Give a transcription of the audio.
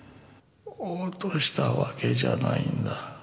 落としたわけじゃないんだ。